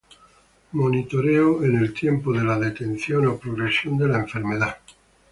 Monitoreo en el tiempo de la detención o progresión de la enfermedad.